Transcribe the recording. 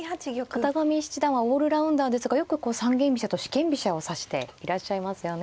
片上七段はオールラウンダーですがよく三間飛車と四間飛車を指していらっしゃいますよね。